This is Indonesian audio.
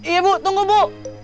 iya bu tunggu bu